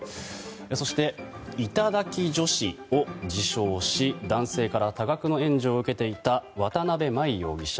そして、頂き女子を自称し男性から多額の援助を受けていた渡辺真衣容疑者。